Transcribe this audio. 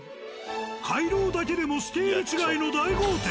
回廊だけでもスケール違いの大豪邸。